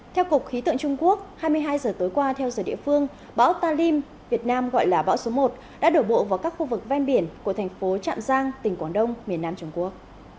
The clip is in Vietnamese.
theo cục khí tượng trung quốc hai mươi hai giờ tối qua theo giờ địa phương bão talim việt nam gọi là bão số một đã đổ bộ vào các khu vực ven biển của thành phố trạm giang tỉnh quảng đông miền nam trung quốc